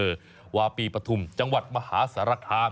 วาปีปฐุมจังหวัดมหาสารคาม